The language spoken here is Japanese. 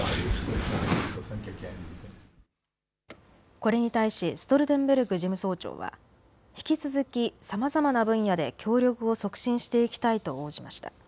これに対しストルテンベルグ事務総長は引き続きさまざまな分野で協力を促進していきたいと応じました。